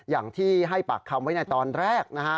อย่างที่ให้ปากคำไว้ในตอนแรกนะฮะ